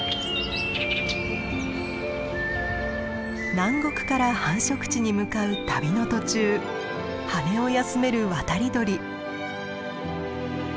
南国から繁殖地に向かう旅の途中羽を休める渡り鳥。